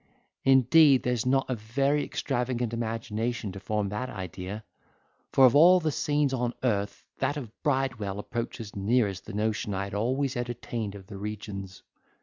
Indeed, there needs not a very extravagant imagination to form that idea: for of all the scenes on earth that of Bridewell approaches nearest the notion I had always entertained of the regions.